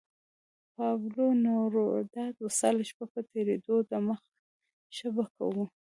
پابلو نوروداد وصال شپه په تېرېدو ده مخه شه به کوو